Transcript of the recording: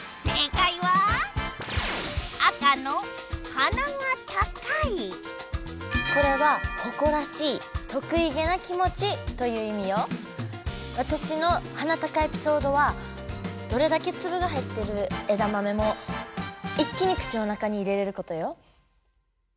赤の「鼻が高い」これはわたしの鼻高エピソードはどれだけつぶが入ってるえだまめも一気に口の中に入れれることよ。